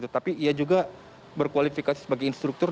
tapi ia juga berkualifikasi sebagai instruktur